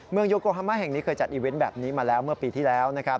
โยโกฮามาแห่งนี้เคยจัดอีเวนต์แบบนี้มาแล้วเมื่อปีที่แล้วนะครับ